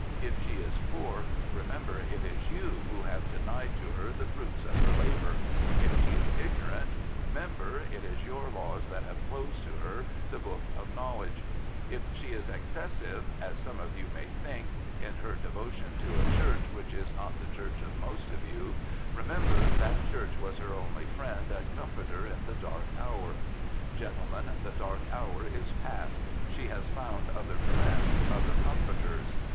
If she is poor, remember it is you who have denied to her the fruits of her labour; if she is ignorant, remember it is your laws that have closed to her the book of knowledge; if she is exces sive, as some of you may think, in her devotion to a Church which is not the Church of most of you, remember that Church was her only friend and com forter in the dark hour. Gentlemen, the dark hour is past. She has found other friends, other comforters.